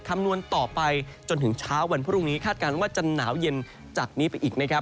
คำนวณต่อไปจนถึงเช้าวันพรุ่งนี้คาดการณ์ว่าจะหนาวเย็นจากนี้ไปอีกนะครับ